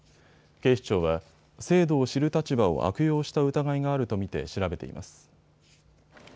警視庁は、制度を知る立場を悪用した疑いがあると見て調べています。